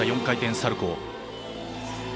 ４回転サルコー。